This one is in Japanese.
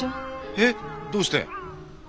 えっどうして？